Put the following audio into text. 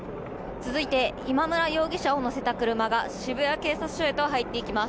続いて今村容疑者を乗せた車が渋谷警察署へ入っていきます。